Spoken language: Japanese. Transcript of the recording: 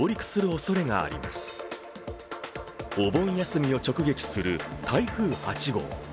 お盆休みを直撃する台風８号。